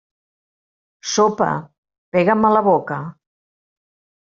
Sopa, pega'm a la boca.